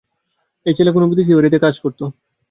এই ছেলে কোনো বিদেশির বাড়িতে আগে কাজ করত।